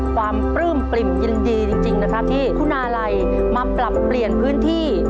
ปลื้มปริ่มยินดีจริงนะครับที่คุณาลัยมาปรับเปลี่ยนพื้นที่